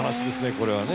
これはね。